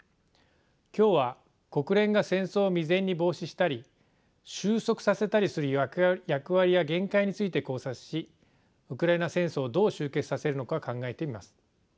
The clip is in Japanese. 今日は国連が戦争を未然に防止したり収束させたりする役割や限界について考察しウクライナ戦争をどう終結させるのか考えてみます。